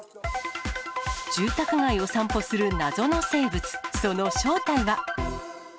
住宅街を散歩する謎の生物、その正体は。